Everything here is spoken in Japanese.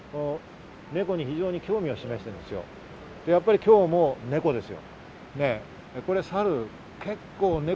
ネコに非常に興味を示していたので、やっぱり今日もネコですよ。